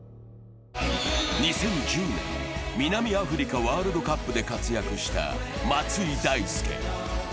２０１０年、南アフリカワールドカップで活躍した松井大輔。